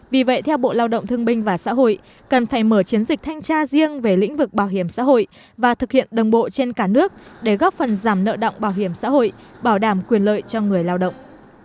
vì vậy theo bộ lao động thương binh và xã hội cần phải mở chiến dịch thanh tra riêng về lĩnh vực bảo hiểm xã hội và thực hiện đồng bộ trên cả nước để góp phần giảm nợ động bảo hiểm xã hội bảo đảm quyền lợi cho người lao động